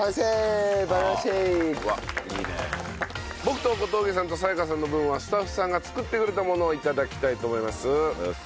僕と小峠さんと明夏さんの分はスタッフさんが作ってくれたものを頂きたいと思います。